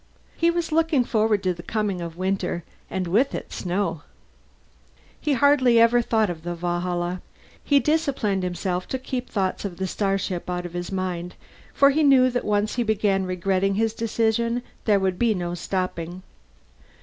He was looking forward to the coming of winter, and with it snow. He hardly ever thought of the Valhalla. He disciplined himself to keep thoughts of the starship out of his mind, for he knew that once he began regretting his decision there would be no stopping.